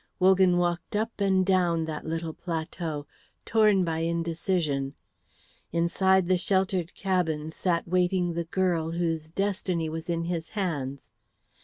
Wogan walked up and down that little plateau, torn by indecision. Inside the sheltered cabin sat waiting the girl, whose destiny was in his hands.